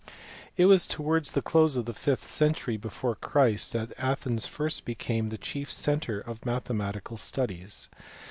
IT was towards the close of the fifth century before Christ that Athens first became the chief centre of mathematical studies.